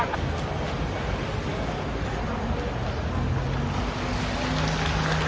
นี่